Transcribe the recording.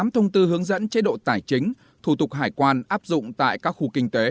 một mươi thông tư hướng dẫn chế độ tài chính thủ tục hải quan áp dụng tại các khu kinh tế